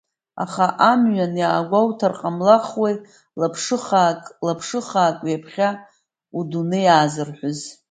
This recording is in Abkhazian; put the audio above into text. Аха амҩан иаагәоуҭар ҟамлахуеи лаԥшы хаак, лаԥшы хаак, ҩаԥхьа удунеи аазырҳәыз.